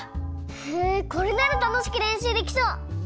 へえこれならたのしくれんしゅうできそう！